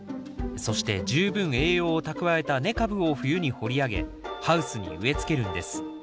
そして十分栄養を蓄えた根株を冬に掘り上げハウスに植えつけるんです。